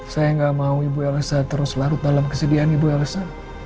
saya nggak mau ibu elsa terus larut dalam kesediaan ibu elsa